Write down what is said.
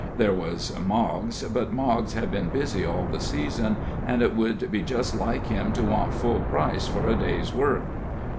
There was Moggs, but Moggs had been busy all the season, and it would be just like him to want full price for a day's work.